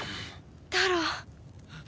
タロウ。